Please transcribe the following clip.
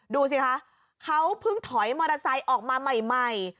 ดูสิคะเขาเพิ่งถอยมอเตอร์ไซค์ออกมาใหม่